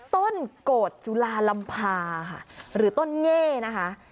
ต้นโกดจุลาลัมพาหรือต้นเง้นะคะ